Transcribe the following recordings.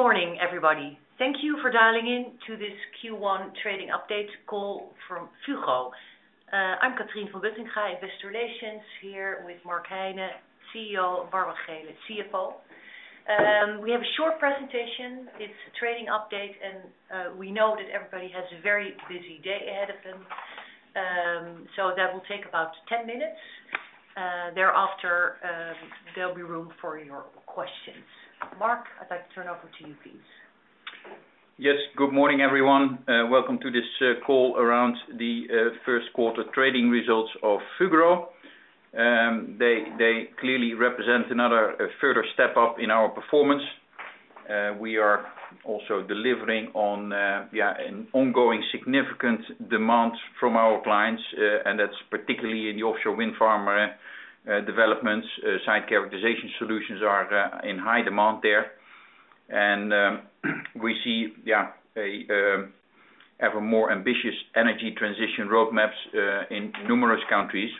Good morning, everybody. Thank you for dialing in to this Q1 trading update call from Fugro. I'm Catrien van Buttingha Wichers, Investor Relations, here with Mark Heine, CEO, and Barbara Geelen, the CFO. We have a short presentation. It's a trading update. We know that everybody has a very busy day ahead of them. That will take about 10 minutes, thereafter, there'll be room for your questions. Mark, I'd like to turn over to you, please. Yes, good morning, everyone. Welcome to this call around the Q1 trading results of Fugro. They clearly represent a further step up in our performance. We are also delivering on an ongoing significant demand from our clients, and that's particularly in the offshore wind farm developments. Site characterisation solutions are in high demand there. We see ever more ambitious energy transition roadmaps in numerous countries,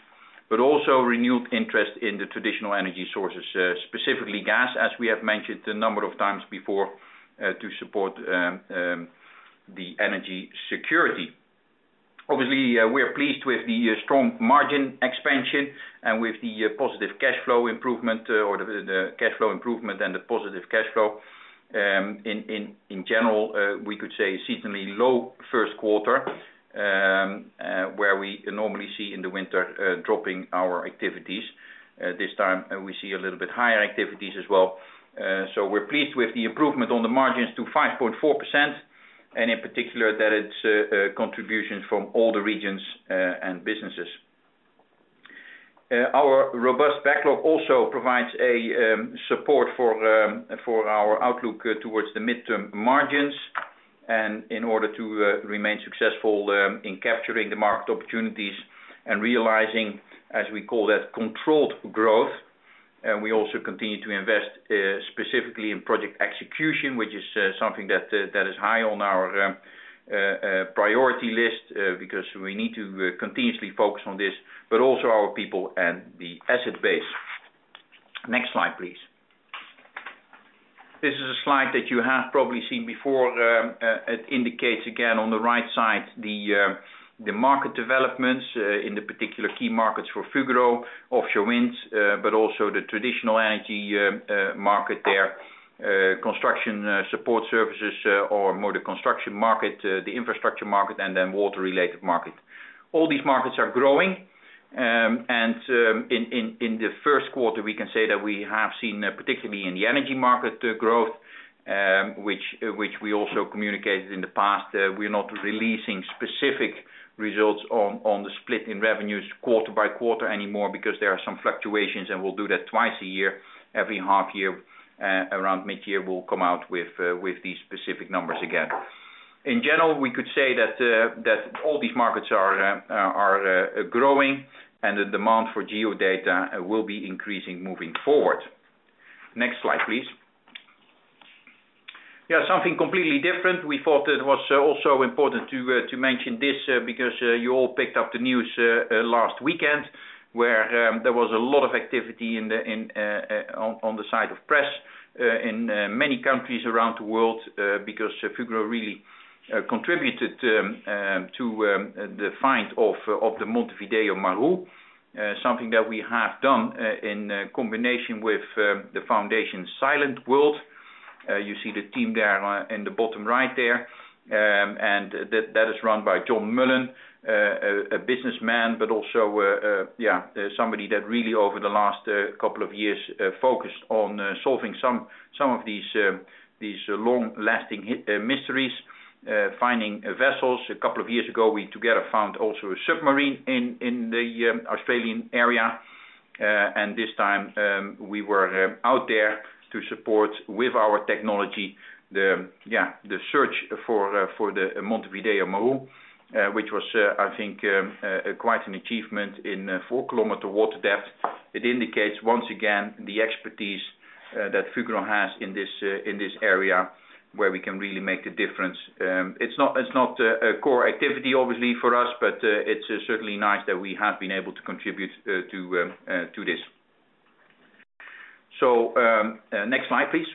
but also renewed interest in the traditional energy sources, specifically gas, as we have mentioned a number of times before, to support the energy security. Obviously, we are pleased with the strong margin expansion and with the positive cash flow improvement, or the cash flow improvement and the positive cash flow. In general, we could say seasonally low Q1, where we normally see in the winter, dropping our activities. This time, we see a little bit higher activities as well. We're pleased with the improvement on the margins to 5.4%, and in particular, that it's contributions from all the regions and businesses. Our robust backlog also provides support for our outlook towards the midterm margins, and in order to remain successful in capturing the market opportunities and realizing, as we call that, controlled growth. We also continue to invest specifically in project execution, which is something that is high on our priority list, because we need to continuously focus on this, but also our people and the asset base. Next slide, please. This is a slide that you have probably seen before. It indicates, again, on the right side, the market developments in the particular key markets for Fugro, offshore winds, but also the traditional energy market there, construction support services, or more the construction market, the infrastructure market, and then water-related market. All these markets are growing, and in the Q1, we can say that we have seen, particularly in the energy market, growth, which we also communicated in the past. We're not releasing specific results on the split in revenues quarter by quarter anymore because there are some fluctuations, and we'll do that twice a year, every half year, around mid-year, we'll come out with these specific numbers again. In general, we could say that all these markets are growing, and the demand for Geo-data will be increasing moving forward. Next slide, please. Yeah, something completely different. We thought it was also important to mention this because you all picked up the news last weekend, where there was a lot of activity in the, on the side of press in many countries around the world because Fugro really contributed to the find of the Montevideo Maru, something that we have done in combination with the Silentworld Foundation. You see the team there in the bottom right there. That is run by John Mullen, a businessman, but also somebody that really over the last couple of years focused on solving some of these long-lasting mysteries, finding vessels. A couple of years ago, we together found also a submarine in the Australian area, this time we were out there to support with our technology, the search for the Montevideo Maru, which was quite an achievement in four-kilometer water depth. It indicates, once again, the expertise that Fugro has in this area, where we can really make a difference. It's not a core activity, obviously, for us, it's certainly nice that we have been able to contribute to this. Next slide, please.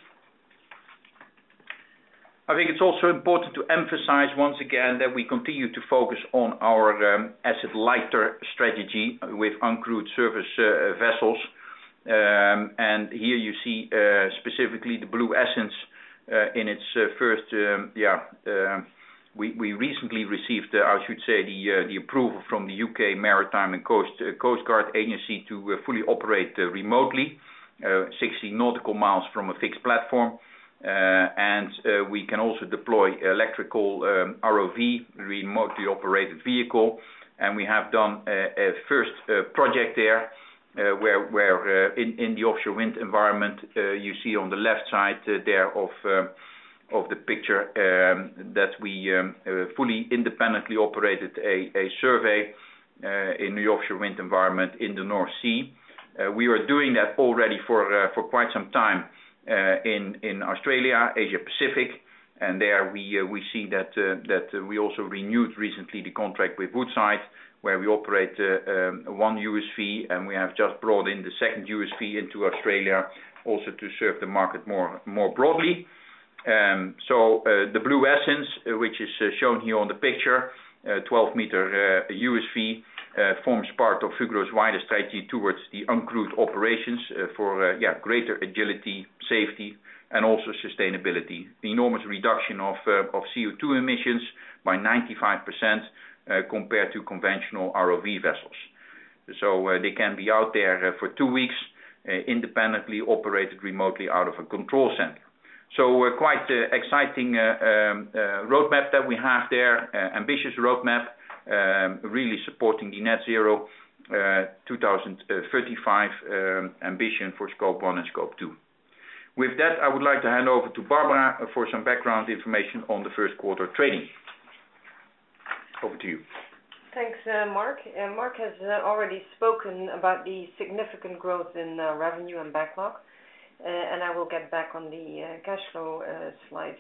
I think it's also important to emphasize once again that we continue to focus on our asset-lighter strategy with uncrewed surface vessels. Here you see specifically the Blue Essence in its first. We recently received, I should say, the approval from the UK Maritime and Coastguard Agency to fully operate remotely 60 nautical miles from a fixed platform. We can also deploy electrical ROV, remotely operated vehicle, and we have done a first project there where in the offshore wind environment, you see on the left side there of the picture, that we fully independently operated a survey in the offshore wind environment in the North Sea. We are doing that already for quite some time in Australia, Asia Pacific. There we see that we also renewed recently the contract with Woodside, where we operate one USV, and we have just brought in the second USV into Australia, also to serve the market more broadly. The Blue Essence, which is shown here on the picture, 12 meter USV, forms part of Fugro's wider strategy towards the uncrewed operations for greater agility, safety, and also sustainability. The enormous reduction of CO₂ emissions by 95% compared to conventional ROV vessels. They can be out there for two weeks independently, operated remotely out of a control center. Quite exciting roadmap that we have there, ambitious roadmap, really supporting the net zero 2035 ambition for scope 1 and scope 2. With that, I would like to hand over to Barbara for some background information on the Q1 trading. Over to you. Thanks, Mark. Mark has already spoken about the significant growth in revenue and backlog. I will get back on the cash flow slide,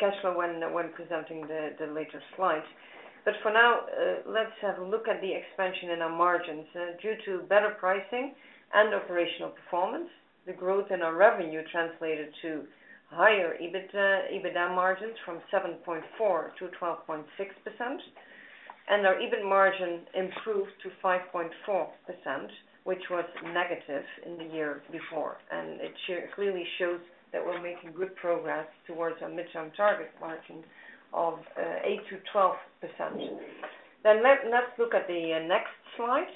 cash flow when presenting the later slide. For now, let's have a look at the expansion in our margins. Due to better pricing and operational performance, the growth in our revenue translated to higher EBIT, EBITDA margins from 7.4% to 12.6%, and our EBIT margin improved to 5.4%, which was negative in the year before. It clearly shows that we're making good progress towards our midterm target margin of 8% to 12%. Let's look at the next slide.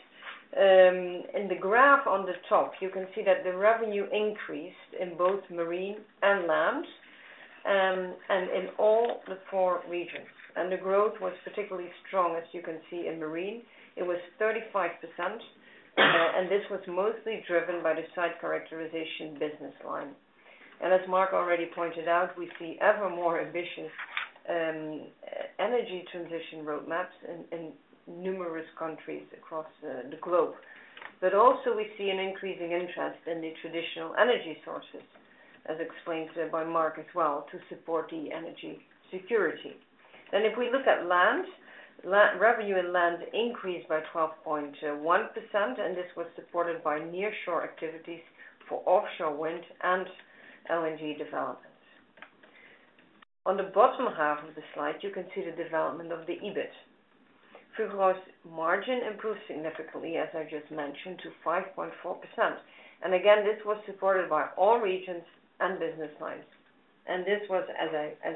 In the graph on the top, you can see that the revenue increased in both Marine and Land, and in all the four regions. The growth was particularly strong, as you can see in Marine, it was 35%, and this was mostly driven by the Site characterisation business line. As Mark already pointed out, we see ever more ambitious energy transition roadmaps in numerous countries across the globe. Also we see an increasing interest in the traditional energy sources, as explained by Mark as well, to support the energy security. If we look at Land, revenue in Land increased by 12.1%, and this was supported by nearshore activities for offshore wind and LNG development. On the bottom half of the slide, you can see the development of the EBIT. Fugro's margin improved significantly, as I just mentioned, to 5.4%. Again, this was supported by all regions and business lines. This was, as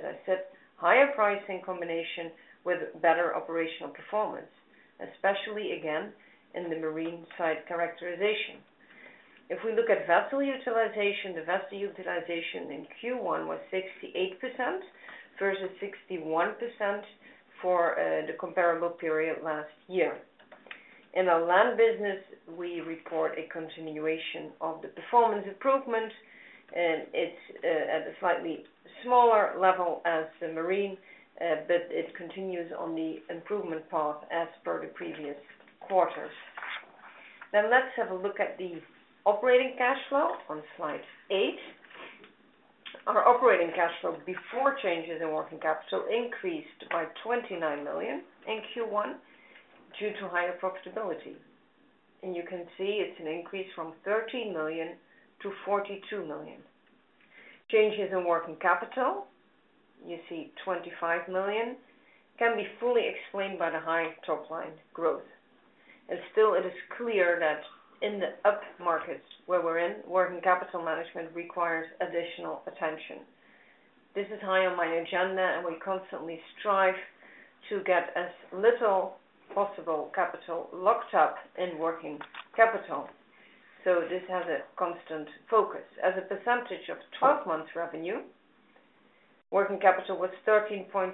I said, higher pricing combination with better operational performance, especially again, in the marine site characterisation. If we look at vessel utilization, the vessel utilization in Q1 was 68% versus 61% for the comparable period last year. In the Land business, we report a continuation of the performance improvement, and it's at a slightly smaller level as the Marine, but it continues on the improvement path as per the previous quarters. Let's have a look at the operating cash flow on slide eight. Our operating cash flow before changes in working capital increased by 29 million in Q1 due to higher profitability. You can see it's an increase from 13 million to 42 million. Changes in working capital, you see 25 million, can be fully explained by the high top line growth. Still, it is clear that in the up markets where we're in, working capital management requires additional attention. This is high on my agenda, and we constantly strive to get as little possible capital locked up in working capital. This has a constant focus. As a percentage of 12 months revenue, working capital was 13.2%,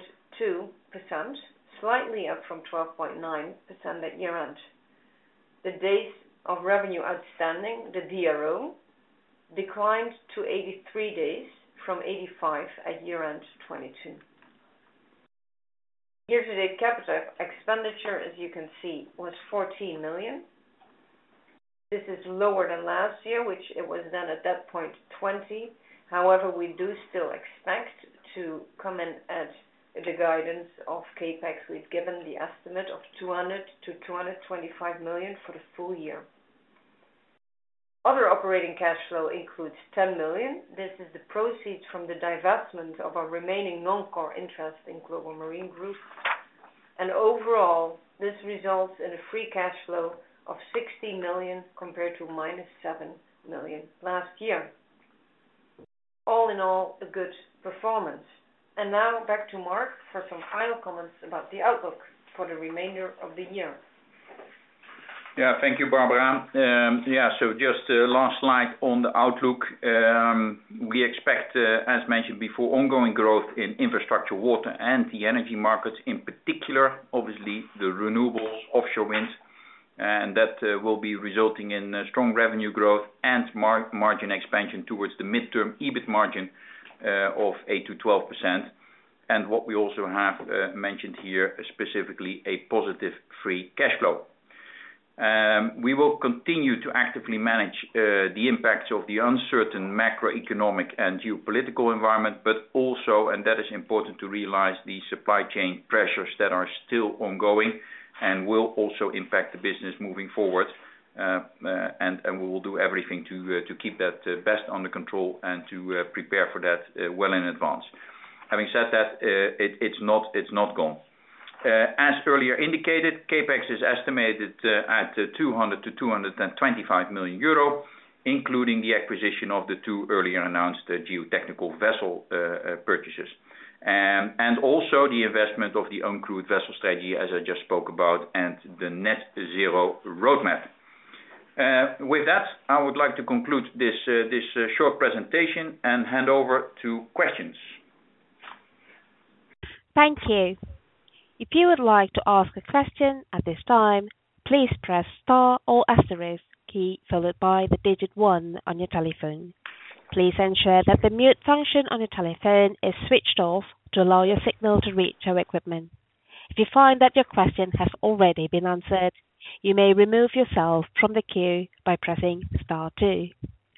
slightly up from 12.9% at year-end. The days of revenue outstanding, the DRO, declined to 83 days from 85 at year-end 2022. Year-to-date capital expenditure, as you can see, was 14 million. This is lower than last year, which it was then at that point, 20 million. We do still expect to come in at the guidance of CapEx. We've given the estimate of 200 million to 225 million for the full year. Other operating cash flow includes 10 million. This is the proceeds from the divestment of our remaining non-core interest in Global Marine Group. Overall, this results in a free cash flow of 60 million compared to -7 million last year. All in all, a good performance. Now back to Mark for some final comments about the outlook for the remainder of the year. Yeah, thank you, Barbara. Just last slide on the outlook. We expect, as mentioned before, ongoing growth in infrastructure, water, and the energy markets in particular, obviously, the renewables offshore winds, and that will be resulting in strong revenue growth and margin expansion towards the midterm EBIT margin of 8%-12%. What we also have mentioned here, specifically a positive free cash flow. We will continue to actively manage the impacts of the uncertain macroeconomic and geopolitical environment, but also, and that is important to realize, the supply chain pressures that are still ongoing and will also impact the business moving forward. We will do everything to keep that best under control and to prepare for that well in advance. Having said that, it's not gone. As earlier indicated, CapEx is estimated at 200 million to 225 million euro, including the acquisition of the two earlier announced geotechnical vessel purchases. Also the investment of the uncrewed vessel strategy, as I just spoke about, and the net zero roadmap. With that, I would like to conclude this short presentation and hand over to questions. Thank you. If you would like to ask a question at this time, please press star or asterisk key followed by the digit 1 on your telephone. Please ensure that the mute function on your telephone is switched off to allow your signal to reach our equipment. If you find that your question has already been answered, you may remove yourself from the queue by pressing star 2.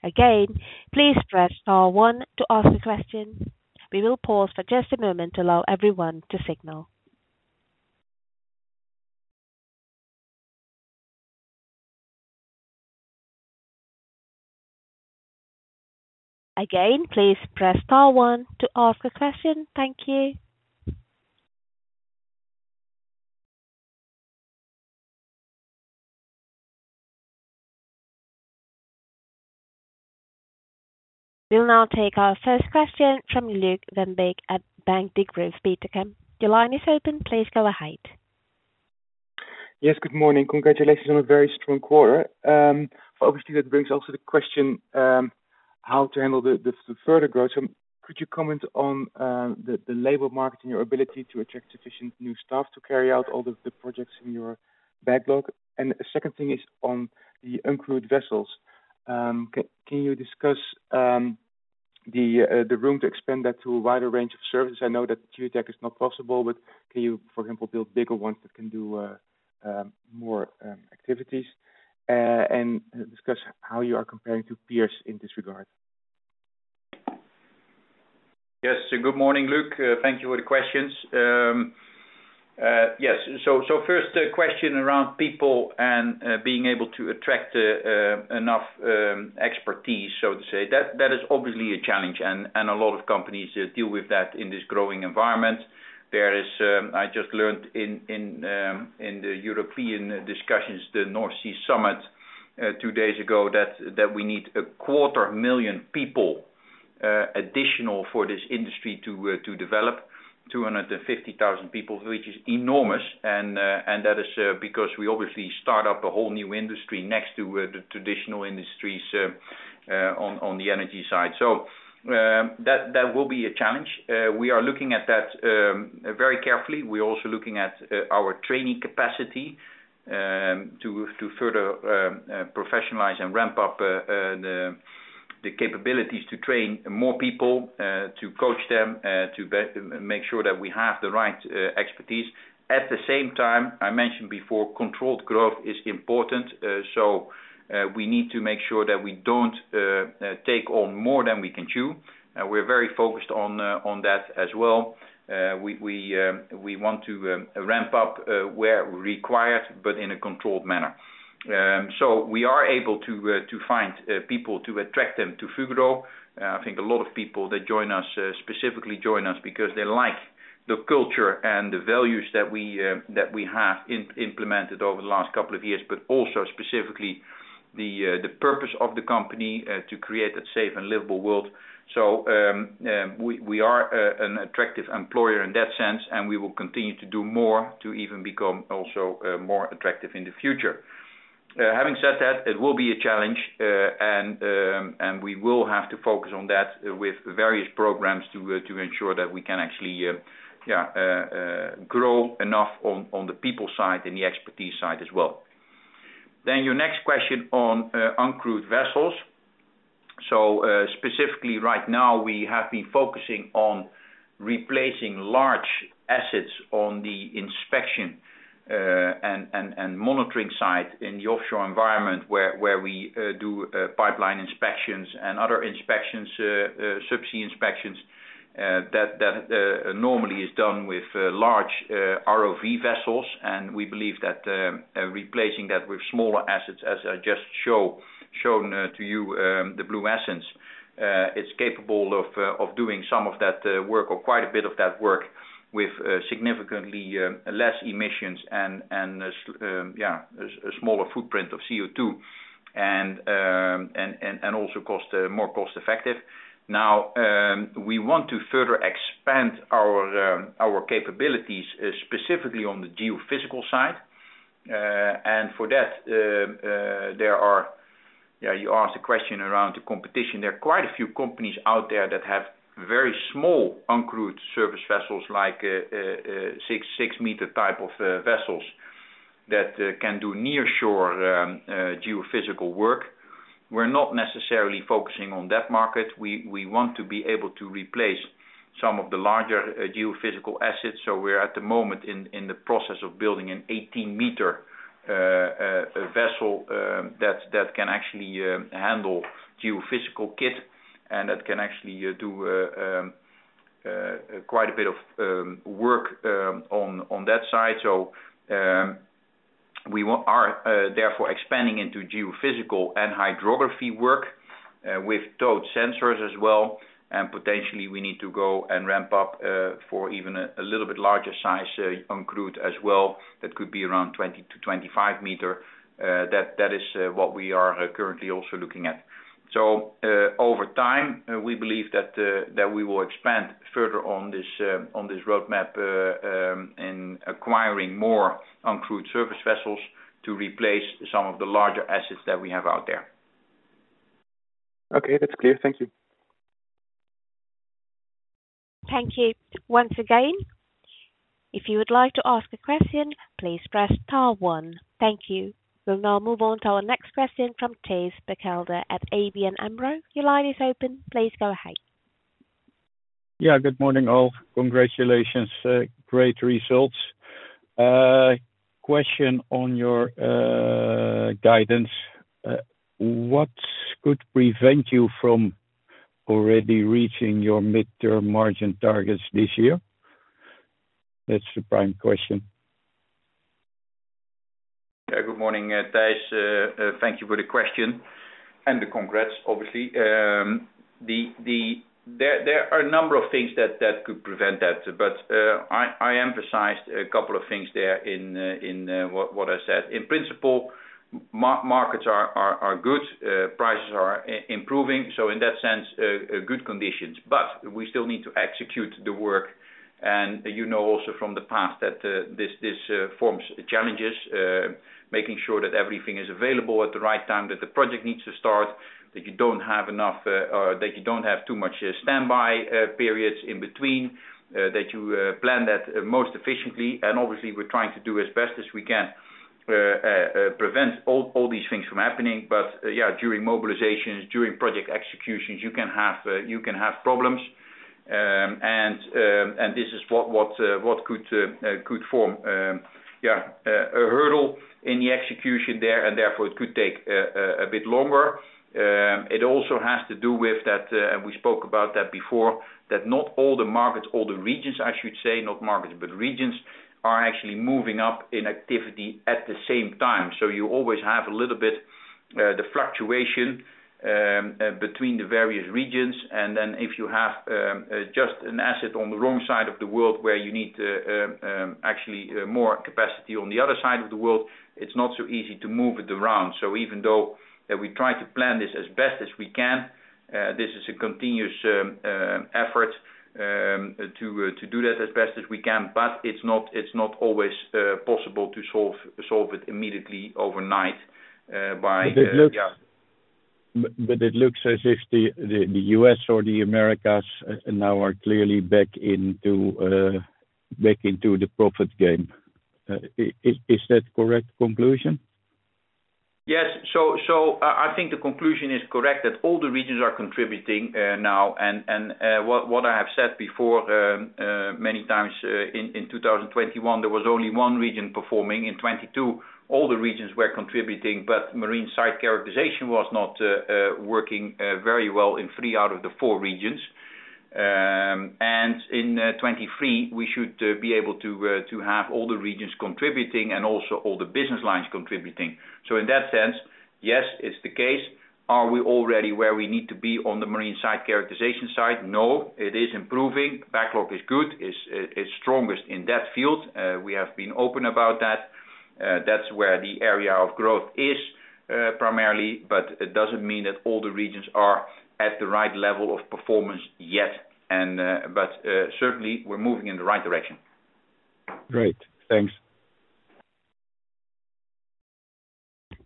Again, please press star 1 to ask a question. We will pause for just a moment to allow everyone to signal. Again, please press star 1 to ask a question. Thank you. We'll now take our first question from Luuk van Beek at Bank Degroof Petercam. Your line is open. Please go ahead. Yes, good morning. Congratulations on a very strong quarter. Obviously, that brings also the question, how to handle the further growth. Could you comment on the labor market and your ability to attract sufficient new staff to carry out all the projects in your backlog? The second thing is on the uncrewed vessels. Can you discuss the room to expand that to a wider range of services? I know that geotech is not possible, but can you, for example, build bigger ones that can do more activities and discuss how you are comparing to peers in this regard? Yes, good morning, Luuk. Thank you for the questions. Yes, first, the question around people and being able to attract enough expertise, so to say, that is obviously a challenge, and a lot of companies deal with that in this growing environment. There is, I just learned in the European discussions, the North Sea Summit two days ago, that we need a quarter million people additional for this industry to develop, 250,000 people, which is enormous. That is because we obviously start up a whole new industry next to the traditional industries on the energy side. That will be a challenge. We are looking at that very carefully. We're also looking at our training capacity, to further professionalize and ramp up the capabilities to train more people, to coach them, make sure that we have the right expertise. At the same time, I mentioned before, controlled growth is important, so, we need to make sure that we don't take on more than we can chew. We're very focused on that as well. We want to ramp up where required, but in a controlled manner. We are able to find people, to attract them to Fugro. I think a lot of people that join us, specifically join us because they like the culture and the values that we, that we have implemented over the last couple of years, but also specifically the purpose of the company, to create a safe and livable world. We, we are an attractive employer in that sense, and we will continue to do more to even become also, more attractive in the future. Having said that, it will be a challenge, and we will have to focus on that with various programs to ensure that we can actually, grow enough on the people side and the expertise side as well. Your next question on uncrewed vessels. Specifically right now, we have been focusing on replacing large assets on the inspection, and monitoring side in the offshore environment, where we do pipeline inspections and other inspections, subsea inspections, that normally is done with large ROV vessels, and we believe that replacing that with smaller assets, as I just shown to you, the Blue Essence, is capable of doing some of that work or quite a bit of that work with significantly less emissions and, yeah, a smaller footprint of CO₂. Also cost, more cost-effective. Now, we want to further expand our capabilities, specifically on the geophysical side. For that, there are... You asked a question around the competition. There are quite a few companies out there that have very small uncrewed service vessels, like 6-meter type of vessels, that can do nearshore geophysical work. We're not necessarily focusing on that market. We want to be able to replace some of the larger geophysical assets, so we're at the moment in the process of building an 18-meter a vessel that can actually handle geophysical kit, and that can actually do quite a bit of work on that side. We are therefore expanding into geophysical and hydrography work with towed sensors as well, and potentially we need to go and ramp up for even a little bit larger size uncrewed as well. That could be around 20 to 25 m. That is what we are currently also looking at. Over time, we believe that we will expand further on this on this roadmap in acquiring more uncrewed surface vessels to replace some of the larger assets that we have out there. Okay, that's clear. Thank you. Thank you once again. If you would like to ask a question, please press star one. Thank you. We'll now move on to our next question from Thijs Berkelder at ABN AMRO. Your line is open, please go ahead. Yeah, good morning, all. Congratulations, great results. Question on your guidance. What could prevent you from already reaching your midterm margin targets this year? That's the prime question. Good morning, Thijs. Thank you for the question and the congrats, obviously. The, there are a number of things that could prevent that, but I emphasized a couple of things there in what I said. In principle, markets are good, prices are improving, so in that sense, good conditions. We still need to execute the work, and you know, also from the past that, this, forms challenges, making sure that everything is available at the right time, that the project needs to start, that you don't have enough, that you don't have too much standby periods in between, that you plan that most efficiently. Obviously, we're trying to do as best as we can, prevent all these things from happening. Yeah, during mobilizations, during project executions, you can have, you can have problems. This is what could form, yeah, a hurdle in the execution there. Therefore, it could take a bit longer. It also has to do with that, and we spoke about that before, that not all the markets, all the regions, I should say, not markets, but regions, are actually moving up in activity at the same time. You always have a little bit, the fluctuation, between the various regions, and then if you have, just an asset on the wrong side of the world where you need to, actually, more capacity on the other side of the world, it's not so easy to move it around. Even though, that we try to plan this as best as we can, this is a continuous effort to do that as best as we can, but it's not, it's not always possible to solve it immediately overnight. But it looks- Yeah. It looks as if the U.S. or the Americas now are clearly back into the profit game. Is that correct conclusion? Yes. I think the conclusion is correct, that all the regions are contributing now, and what I have said before, many times, in 2021, there was only 1 region performing. In 2022, all the regions were contributing, but marine site characterisation was not working very well in 3 out of the 4 regions. In 2023, we should be able to have all the regions contributing and also all the business lines contributing. In that sense, yes, it's the case. Are we already where we need to be on the marine site characterisation site? No, it is improving. Backlog is good, is strongest in that field. We have been open about that. That's where the area of growth is primarily, but it doesn't mean that all the regions are at the right level of performance yet, but certainly, we're moving in the right direction. Great. Thanks.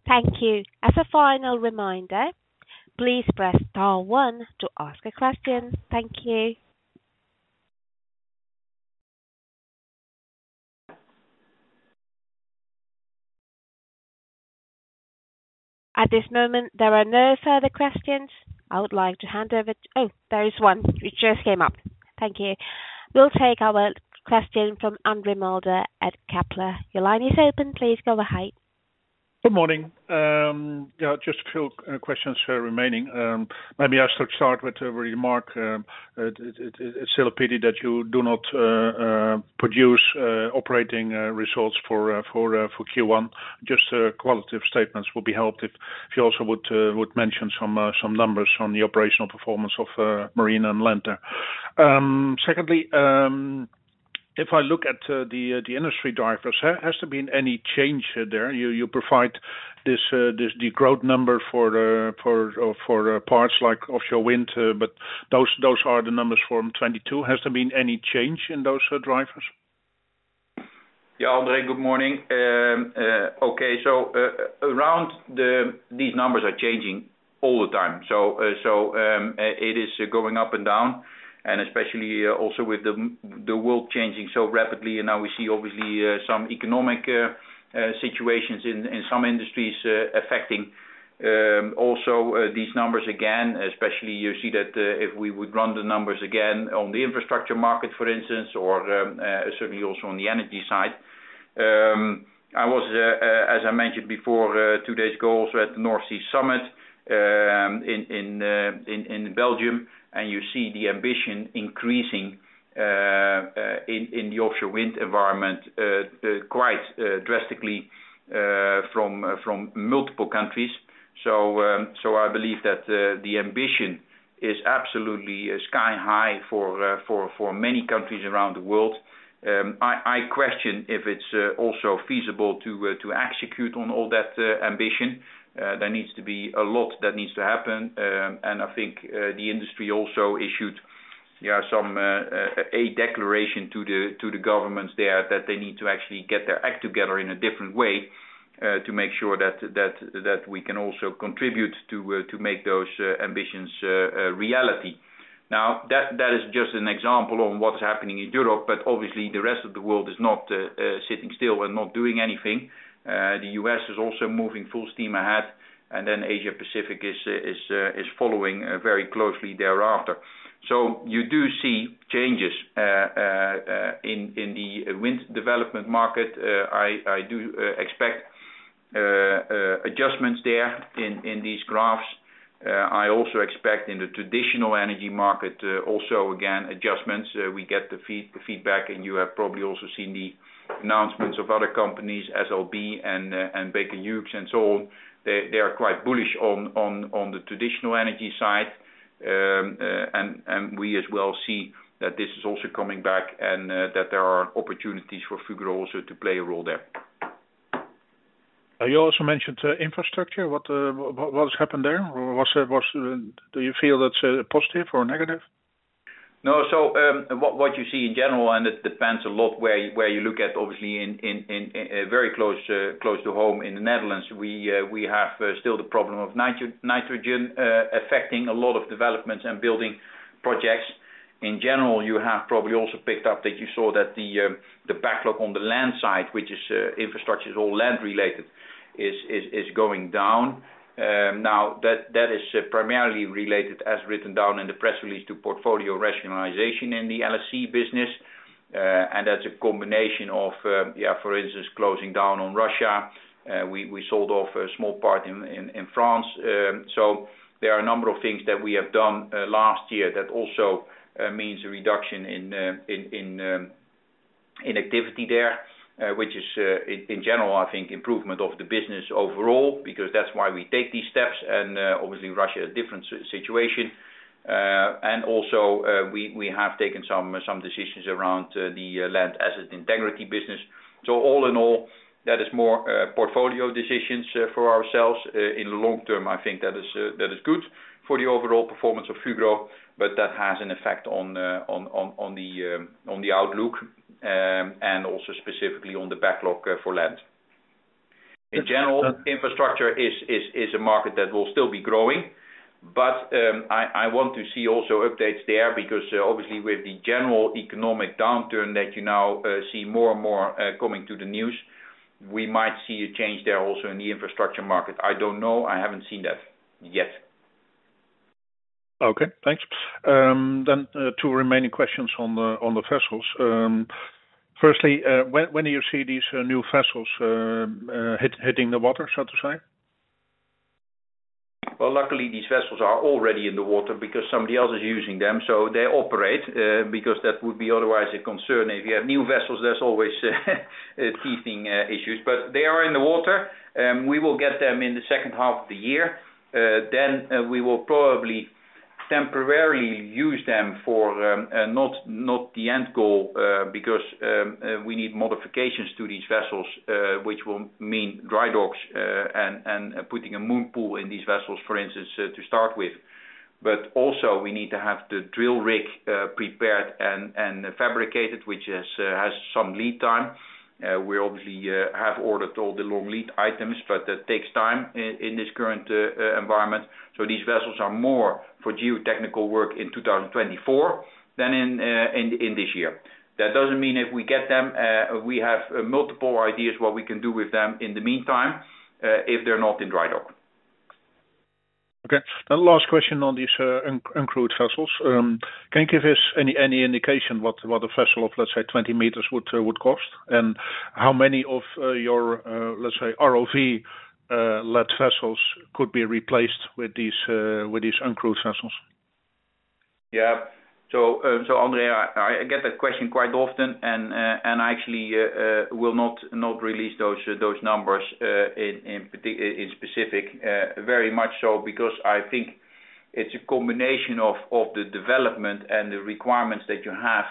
Thank you. As a final reminder, please press star one to ask a question. Thank you. At this moment, there are no further questions. I would like to hand over to... Oh, there is one. It just came up. Thank you. We'll take our question from Andre Mulder at Kepler Cheuvreux. Your line is open. Please go ahead. Good morning. Just a few questions here remaining. Maybe I should start with your remark, it's still a pity that you do not produce operating results for Q1. Just qualitative statements will be helped if you also would mention some numbers on the operational performance of Marine and Land. Secondly, if I look at the industry drivers, has there been any change there? You provide this the growth number for the for parts like offshore wind, but those are the numbers from 2022. Has there been any change in those drivers? Yeah, Andre, good morning. Okay. These numbers are changing all the time, so it is going up and down. Especially also with the world changing so rapidly, and now we see obviously some economic situations in some industries affecting also these numbers again. Especially, you see that if we would run the numbers again on the infrastructure market, for instance, or certainly also on the energy side. I was, as I mentioned before, 2 days ago, also at the North Sea Summit in Belgium, and you see the ambition increasing in the offshore wind environment quite drastically from multiple countries. I believe that the ambition is absolutely sky high for many countries around the world. I question if it's also feasible to execute on all that ambition. There needs to be a lot that needs to happen. I think the industry also issued, yeah, some a declaration to the governments there, that they need to actually get their act together in a different way, to make sure that we can also contribute to make those ambitions a reality. That is just an example of what's happening in Europe, but obviously, the rest of the world is not sitting still and not doing anything. The U.S. is also moving full steam ahead, and then Asia Pacific is following very closely thereafter. You do see changes in the wind development market. I do expect adjustments there in these graphs. I also expect in the traditional energy market, also, again adjustments. We get the feedback, and you have probably also seen the announcements of other companies, SLB and Baker Hughes and so on. They are quite bullish on the traditional energy side. We as well see that this is also coming back and that there are opportunities for Fugro also to play a role there. You also mentioned infrastructure. What has happened there? Do you feel that's positive or negative? What you see in general, and it depends a lot where you look at, obviously, in very close to home in the Netherlands, we have still the problem of nitrogen affecting a lot of developments and building projects. In general, you have probably also picked up that you saw that the backlog on the Land side, which is infrastructure, is all Land-related, is going down. Now, that is primarily related, as written down in the press release, to portfolio rationalization in the LSC business. That's a combination of, for instance, closing down on Russia. We sold off a small part in France. There are a number of things that we have done last year that also means a reduction in activity there, which is in general, I think, improvement of the business overall, because that's why we take these steps, and obviously, Russia, a different situation. Also, we have taken some decisions around the Land Asset Integrity business. All in all, that is more portfolio decisions for ourselves. In the long term, I think that is good for the overall performance of Fugro, but that has an effect on the outlook and also specifically on the backlog for Land. In general, infrastructure is a market that will still be growing, but I want to see also updates there, because obviously, with the general economic downturn that you now see more and more coming to the news, we might see a change there also in the infrastructure market. I don't know. I haven't seen that yet. Okay, thanks. 2 remaining questions on the vessels. Firstly, when do you see these new vessels hitting the water, so to say? Luckily, these vessels are already in the water because somebody else is using them. They operate because that would be otherwise a concern. If you have new vessels, there's always teething issues, but they are in the water, we will get them in the second half of the year. We will probably temporarily use them for not the end goal because we need modifications to these vessels, which will mean dry docks, and putting a moon pool in these vessels, for instance, to start with. Also, we need to have the drill rig prepared and fabricated, which has some lead time. We obviously have ordered all the long lead items, but that takes time in this current environment. These vessels are more for geotechnical work in 2024 than in this year. That doesn't mean if we get them, we have multiple ideas what we can do with them in the meantime, if they're not in dry dock. Okay, the last question on these uncrewed vessels. Can you give us any indication what a vessel of, let's say, 20 meters would cost? How many of your, let's say, ROV led vessels could be replaced with these uncrewed vessels? Yeah. Andre, I get that question quite often, and I actually will not release those numbers in specific, very much so, because I think it's a combination of the development and the requirements that you have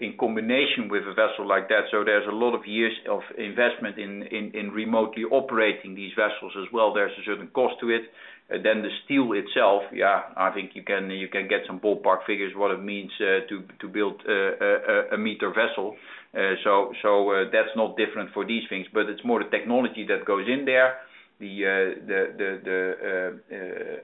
in combination with a vessel like that. There's a lot of years of investment in remotely operating these vessels as well. There's a certain cost to it. The steel itself, yeah, I think you can get some ballpark figures, what it means to build a meter vessel. That's not different for these things, but it's more the technology that goes in there. The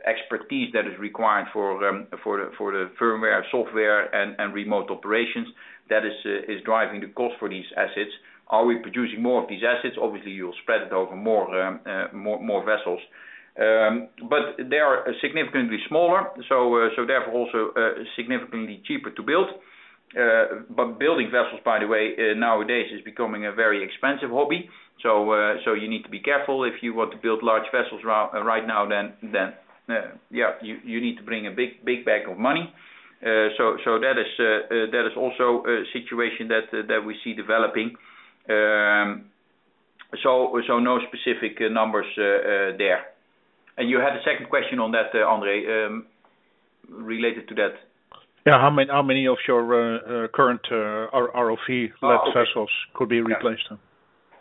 expertise that is required for the firmware, software, and remote operations, that is driving the cost for these assets. Are we producing more of these assets? Obviously, you will spread it over more vessels. They are significantly smaller, so therefore also significantly cheaper to build. Building vessels, by the way, nowadays is becoming a very expensive hobby. You need to be careful if you want to build large vessels right now, then you need to bring a big bag of money. That is also a situation that we see developing. No specific numbers there. you had a second question on that, Andre, related to that? Yeah, how many of your current ROV-led vessels could be replaced?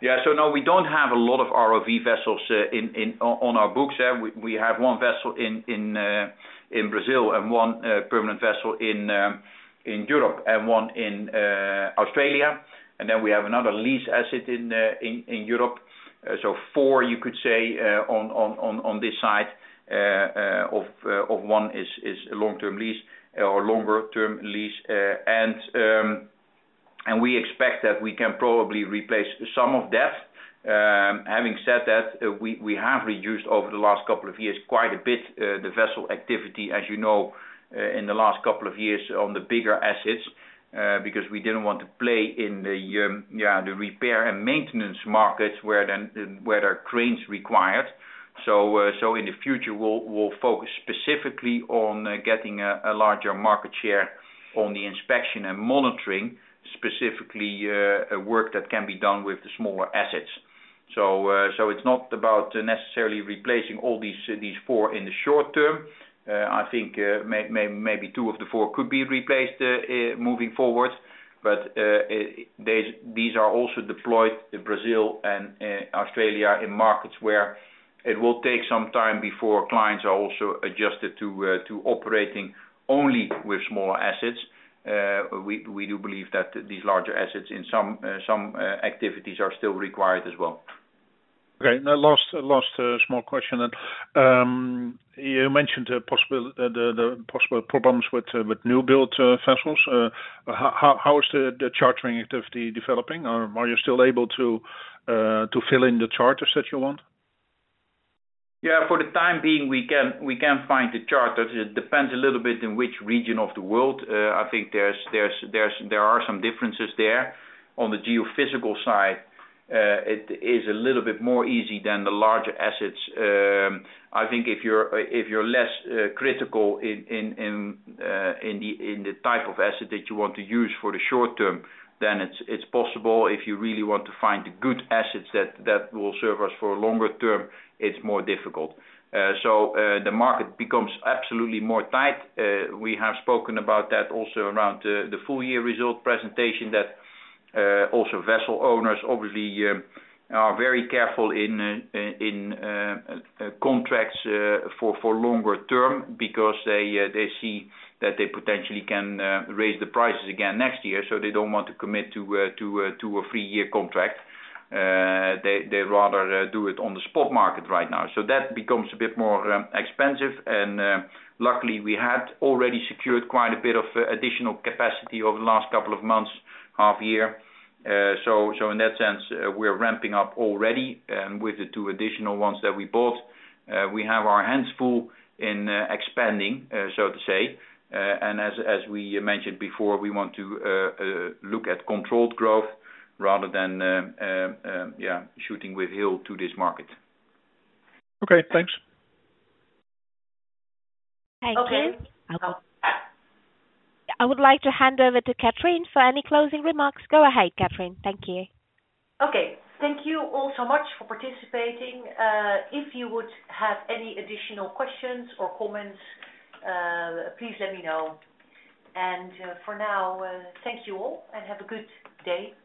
Yeah, no, we don't have a lot of ROV vessels on our books. We have one vessel in Brazil, and one permanent vessel in Europe, and one in Australia. We have another lease asset in Europe. Four, you could say, on this side, one is a long-term lease or longer-term lease. We expect that we can probably replace some of that. Having said that, we have reduced over the last couple of years, quite a bit, the vessel activity, as you know, in the last couple of years on the bigger assets, because we didn't want to play in the, yeah, the repair and maintenance markets, where the cranes required. In the future, we'll focus specifically on getting a larger market share on the inspection and monitoring, specifically, work that can be done with the smaller assets. It's not about necessarily replacing all these four in the short term. I think maybe two of the four could be replaced moving forward. These are also deployed in Brazil and Australia, in markets where it will take some time before clients are also adjusted to operating only with smaller assets. We do believe that these larger assets in some activities are still required as well. Okay, now, last small question. You mentioned the possible problems with new build vessels. How is the chartering activity developing? Are you still able to fill in the charters that you want? For the time being, we can find the charters. It depends a little bit in which region of the world. I think there are some differences there. On the geophysical side, it is a little bit more easy than the larger assets. I think if you're less critical in the type of asset that you want to use for the short term, then it's possible. If you really want to find the good assets that will serve us for a longer term, it's more difficult. The market becomes absolutely more tight. We have spoken about that also around the full year result presentation, that also vessel owners obviously are very careful in contracts for longer term because they see that they potentially can raise the prices again next year, so they don't want to commit to a three-year contract. They rather do it on the spot market right now. That becomes a bit more expensive, and luckily, we had already secured quite a bit of additional capacity over the last couple of months, half year. So in that sense, we're ramping up already with the 2 additional ones that we bought. We have our hands full in expanding, so to say. As we mentioned before, we want to look at controlled growth rather than, yeah, shooting with hill to this market. Okay, thanks. Thank you. Okay. I would like to hand over to Catherine for any closing remarks. Go ahead, Catherine. Thank you. Okay. Thank you all so much for participating. If you would have any additional questions or comments, please let me know. For now, thank you all, and have a good day.